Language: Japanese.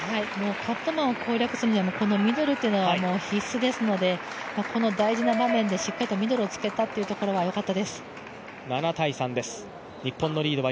カットマンを攻略するには、このミドルは必須ですのでこの大事な場面でしっかりとミドルを使えたというのはよかったです。